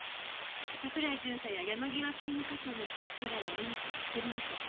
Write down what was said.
桜井巡査や山際警務課長の自宅からは何か見つかりましたか？